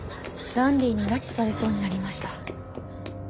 ランリーに拉致されそうになりました。